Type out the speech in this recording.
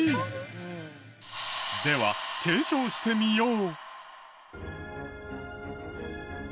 では検証してみよう。